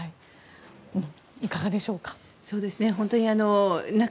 いかがでしょうか。